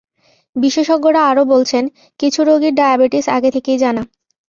বিশেষজ্ঞরা আরও বলছেন, কিছু রোগীর ডায়াবেটিস আগে থেকেই জানা।